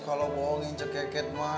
kalau bohongin ceket ket mah